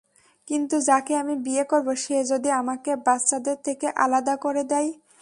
কিন্তু যাকে আমি বিয়ে করব সে যদি আমাকে বাচ্চাদের থেকে আলাদা করে দেয়।